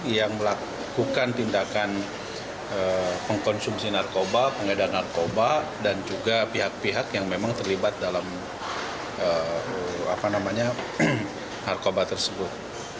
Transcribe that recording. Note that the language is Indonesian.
yang melakukan tindakan pengkonsumsi narkoba pengedar narkoba dan juga pihak pihak yang memang terlibat dalam narkoba tersebut